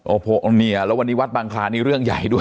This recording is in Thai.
โอ้โหเนี่ยแล้ววันนี้วัดบางคลานี่เรื่องใหญ่ด้วย